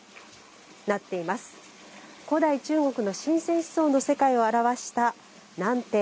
古代中国の神仙思想の世界を表した南庭。